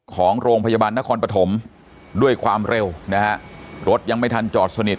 ของโรงพยาบาลนครปฐมด้วยความเร็วนะฮะรถยังไม่ทันจอดสนิท